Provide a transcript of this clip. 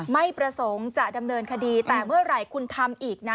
ไม่ประสงค์จะดำเนินคดีแต่เมื่อไหร่คุณทำอีกนะ